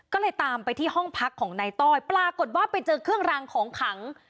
ก็เลยตามไปที่ห้องพักของนายต้อยปรากฏว่าไปเจอเครื่องรางของขัง